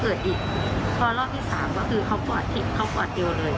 แล้วหลังสภาพเค้าก็เอาเล่าสาด